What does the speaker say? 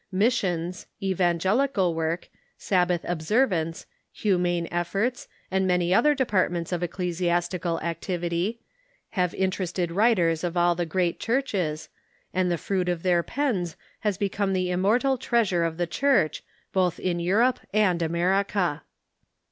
Mis sions, evangelical work, Sabbath observance, humane efforts, and many other departments of ecclesiastical activity, have interested writers of all the great churches, and the fruit of their pens has become the immortal treasure of the Church, both in Europe and America.